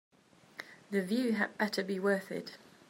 The view had better be worth it.